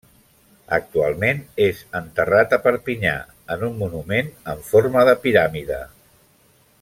Actualment, és enterrat a Perpinyà en un monument en forma de piràmide.